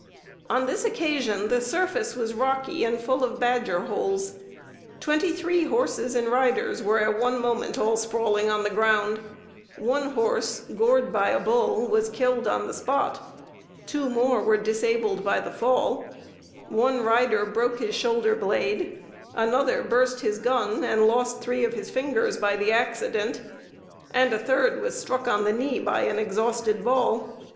] "On this occasion the surface was rocky and full of badger holes. Twenty three horses and riders were at one moment all sprawling on the ground; one horse, gored by a bull, was killed on the spot; two more were disabled by the fall; one rider broke his shoulder blade; another burst his gun and lost three of his fingers by the accident; and a third was struck on the knee by an exhausted ball.